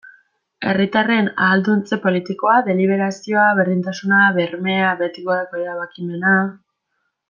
Herritarren ahalduntze politikoa, deliberazioa, berdintasuna, bermea, behetik gorako erabakimena...